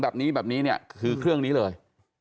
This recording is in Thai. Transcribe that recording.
แบบนี้คือเครื่องนี้เลย